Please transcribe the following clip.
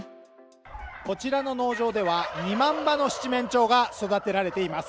こちらの農場では、２万羽の七面鳥が育てられています。